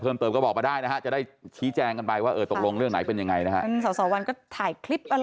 ผมก็ไม่มีข้อสงสัย